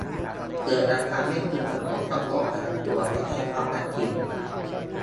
เกิดอาการไม่พึงประสงค์เพราะโรคประจำตัว ไม่ใช่เพราะวัคซีน